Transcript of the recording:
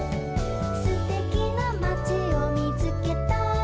「すてきなまちをみつけたよ」